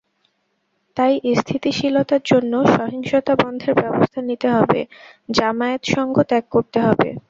তাই স্থিতিশীলতার জন্য সহিংসতা বন্ধের ব্যবস্থা নিতে হবে, জামায়াতসঙ্গ ত্যাগ করতে হবে।